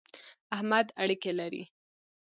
احمد اړېکی لري.